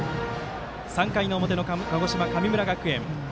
３回の表の鹿児島、神村学園。